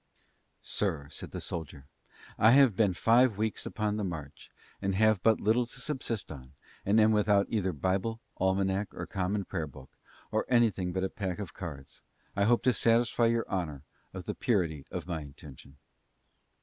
"Sir," said the soldier, "I have been five weeks upon the march, and have but little to subsist on, and am without either Bible, Almanack, or Common Prayer book, or anything but a pack of cards. I hope to satisfy your honor of the purity of my intention."